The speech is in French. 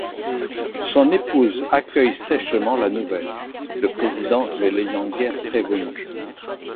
Son épouse accueille sèchement la nouvelle, le président ne l'ayant guère prévenue.